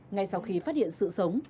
ngay sau khi phát hiện sự sống